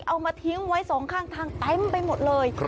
เอามาทิ้งไว้สองข้างทางเต็มไปหมดเลย